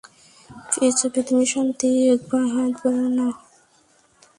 পেয়ে যাবে তুমি শান্তি, একবার হাত বারাও না।